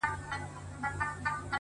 د سترگو هره ائينه کي مي ستا نوم ليکلی’